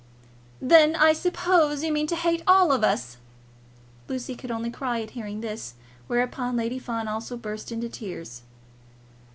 "Then I suppose that you mean to hate all of us?" Lucy could only cry at hearing this; whereupon Lady Fawn also burst into tears.